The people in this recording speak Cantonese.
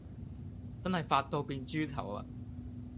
真係發到變豬頭呀